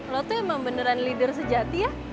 lo tuh emang beneran leader sejati ya